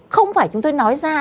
không phải chúng tôi nói ra